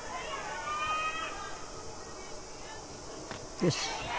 よし。